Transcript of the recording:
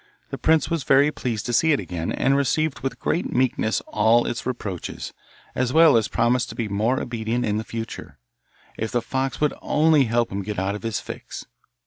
The prince was very pleased to see it again, and received with great meekness all its reproaches, as well as promised to be more obedient in the future, if the fox would only help him out of his fix.